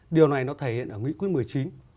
điều này nó thể hiện ở nghị quyết một mươi chín